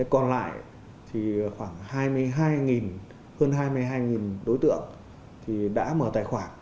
còn lại thì khoảng hai mươi hai hơn hai mươi hai đối tượng đã mở tài khoản